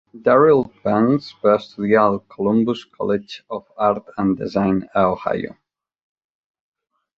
Darryl Banks va estudiar al Columbus College of Art and Design a Ohio.